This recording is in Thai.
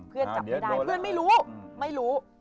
เพื่อนจับไม่ได้เพื่อนไม่รู้